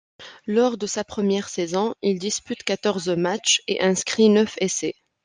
Lors de sa première saison, il dispute quatorze matchs et inscrit neuf essais.